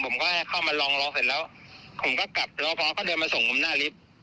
ผมก็ให้เข้ามาลองรอเสร็จแล้วผมก็กลับรอพอก็เดินมาส่งผมหน้าลิฟต์